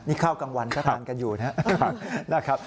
นี่ข้าวกลางวันก็ทานกันอยู่นะครับ